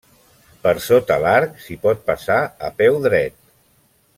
Per sota l'arc s'hi pot passar a peu dret.